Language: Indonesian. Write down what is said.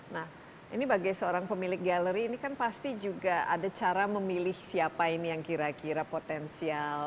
nah ini bagi seorang pemilik galeri ini kan pasti juga ada cara memilih siapa ini yang kira kira potensial